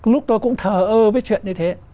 lúc tôi cũng thờ ơ với chuyện như thế